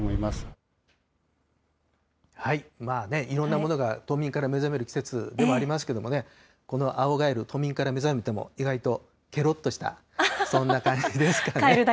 いろんなものが冬眠から目覚める季節でもありますけどね、この青ガエル、冬眠から目覚めても意外とけろっとした、そんな感じですかね。